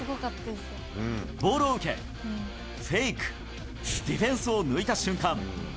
ボールを受け、フェイク、ディフェンスを抜いた瞬間。